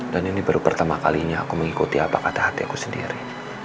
dan ini baru pertama kalinya aku mengikuti apa kata hati aku sendiri